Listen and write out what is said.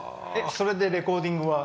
それでレコーディングは？